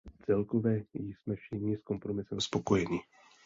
Celkově jsme všichni s kompromisem spokojeni.